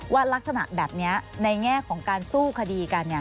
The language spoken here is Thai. ลักษณะแบบนี้ในแง่ของการสู้คดีกัน